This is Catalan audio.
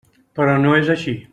Però no és així.